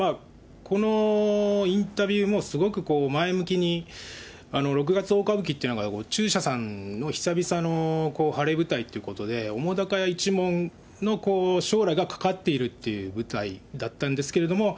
このインタビューもすごく前向きに、六月大歌舞伎ってのが中車さんの久々の晴れ舞台ということで、澤瀉屋一門の将来がかかっているっていう舞台だったんですけれども。